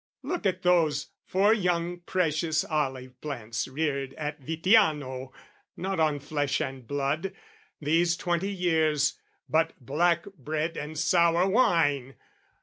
Look at those four young precious olive plants Reared at Vittiano, not on flesh and blood, These twenty years, but black bread and sour wine!